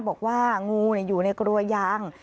บอกว่างูอยู่ในกลัวยาง